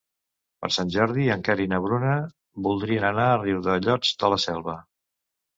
Per Sant Jordi en Quer i na Bruna voldrien anar a Riudellots de la Selva.